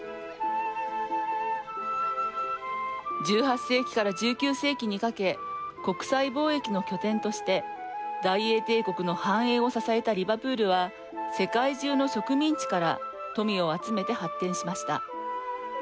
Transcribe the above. １８世紀から１９世紀にかけ国際貿易の拠点として大英帝国の繁栄を支えたリバプールは世界中の植民地から富を集めて発展しました。